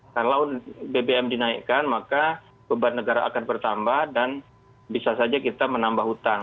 kalau bbm dinaikkan maka beban negara akan bertambah dan bisa saja kita menambah hutang